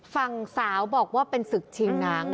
ฝั่งสาวบอกว่าเป็นศึกชิงหนัง